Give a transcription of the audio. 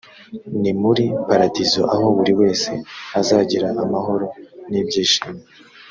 ni muri paradizo aho buri wese azagira amahoro n ibyishimo